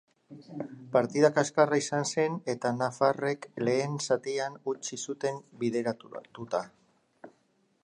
Partida kaskarra izan zen eta nafarrek lehen zatian uzti zuten bideratuta.